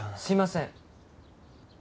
すいません。